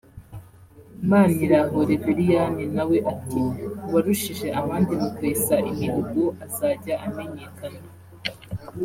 Maniraho Reveriyani na we ati “Uwarushije abandi mu kwesa imihigo azajya amenyekana